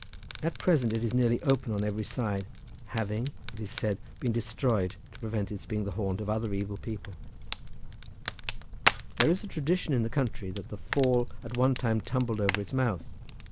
At present it is nearly open on every side, having, it is said, been destroyed to prevent its being the haunt of other evil people: there is a tradition in the country that the fall at one time tumbled over its mouth.